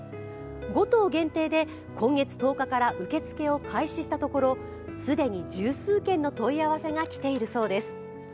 ５棟限定で今月１０日から受付を開始したところ既に十数件の問い合わせが来ているそうです。